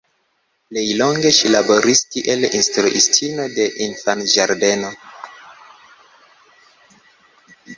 Plej longe ŝi laboris kiel instruistino de infanĝardeno.